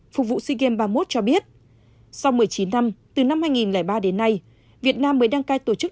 phục vụ sea games ba mươi một cho biết sau một mươi chín năm từ năm hai nghìn ba đến nay việt nam mới đăng cai tổ chức